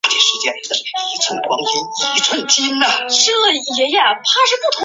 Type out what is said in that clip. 毛椿叶花椒为芸香科花椒属下的一个变种。